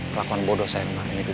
kelakuan bodoh saya kemarin itu